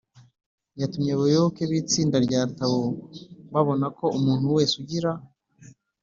yatumye abayoboke b’itsinda rya tao babona ko umuntu wese ugira